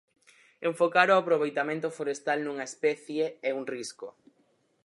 Enfocar o aproveitamento forestal nunha especie é un risco.